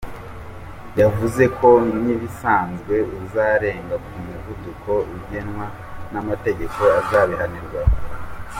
Yavuze ko nk’ibisanzwe uzarenga ku muvuduko ugenwa n’amategeko azabihanirwa.